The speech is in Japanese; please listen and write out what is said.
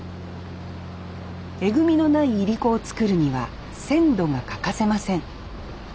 えぐみのないいりこを作るには鮮度が欠かせません